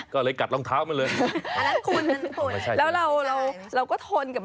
ก็เลยกัดรองเท้ามาเลย